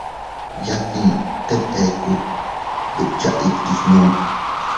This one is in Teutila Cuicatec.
Yaʼte tet eku, dukcha iti gnu.